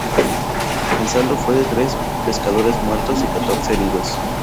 El saldo fue de tres pescadores muertos y catorce heridos.